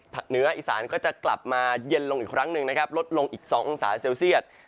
เหนืออีสานก็จะกลับมาเย็นลงอีกครั้งหนึ่งนะครับลดลงอีก๒องศาเซลเซียต